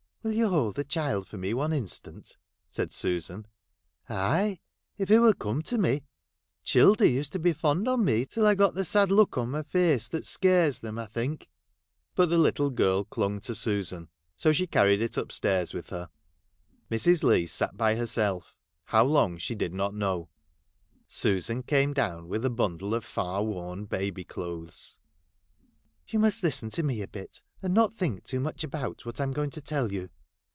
' Will you hold the child for me one instant 1 ' said Susan. " Ay, if it will come to me. Childer used to be fond on me till I got the sad look on my face that scares them, I think.' But the little girl clung to Susan ; so she carried it upstairs with her. Mrs. Leigh sat by herself — how long she did not know. Susan came down with a bundle of far worn baby clothes. ' You must listen to me a bit, and not think too much about what I 'm going to tell you.